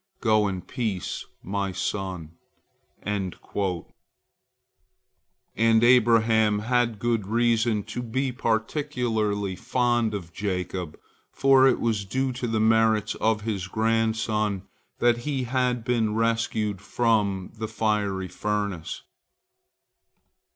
Go in peace, my son." And Abraham had good reason to be particularly fond of Jacob, for it was due to the merits of his grandson that he had been rescued from the fiery furnace.